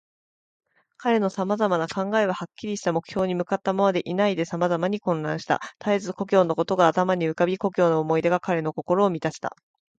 彼のさまざまな考えは、はっきりした目標に向ったままでいないで、さまざまに混乱した。たえず故郷のことが頭に浮かび、故郷の思い出が彼の心をみたした。